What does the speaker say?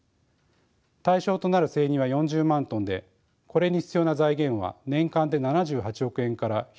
対象となる生乳は４０万ｔでこれに必要な財源は年間で７８億円から１５８億円です。